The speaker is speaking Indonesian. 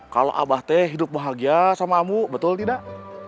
kalau abah teh hidup bahagia sama amu betul tidak